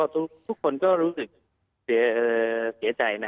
ทุกคนก็รู้สึกเสียใจนะ